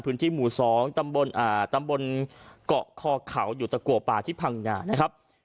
พื้นที่หมู่๒ตำบลตำบลเกาะคอเขาอยู่ตะกัวป่าที่พังงานะครับ